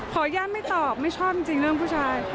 ญาติไม่ตอบไม่ชอบจริงเรื่องผู้ชาย